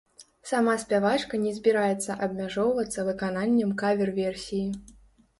Сама спявачка не збіраецца абмяжоўвацца выкананнем кавер-версіі.